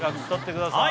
ください